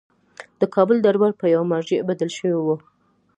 د کابل دربار په یوه مرجع بدل شوی وو.